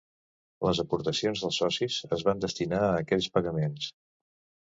Les aportacions dels socis es van destinar a aquells pagaments.